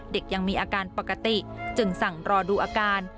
ยังมีอาการปกติจึงสั่งรอดูอาการ